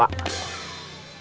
jangan gitu atu